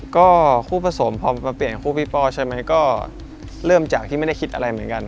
ก็คู่ผสมพอมาเปลี่ยนคู่พี่ป้อใช่ไหมก็เริ่มจากที่ไม่ได้คิดอะไรเหมือนกัน